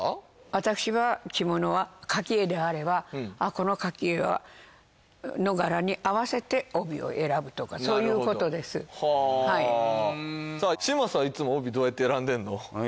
私は着物は描き絵であればこの描き絵の柄に合わせて帯を選ぶとかそういうことですなるほどはあ嶋佐はいつも帯どうやって選んでんの？